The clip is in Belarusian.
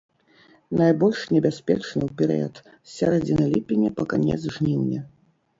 Найбольш небяспечны ў перыяд з сярэдзіны ліпеня па канец жніўня.